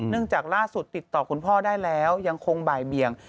จากล่าสุดติดต่อคุณพ่อได้แล้วยังคงบ่ายเบียง